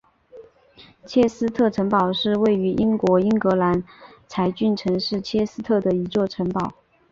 切斯特城堡是位于英国英格兰柴郡城市切斯特的一座城堡。